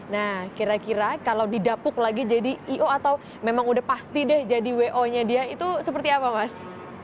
nah kira kira kalau didapuk lagi jadi i o atau memang udah pasti deh jadi wo nya dia itu seperti apa mas